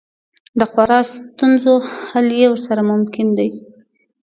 د خورا ستونزو حل یې ورسره ممکن دی.